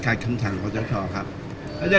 การสำรรค์ของเจ้าชอบใช่ใช่ใช่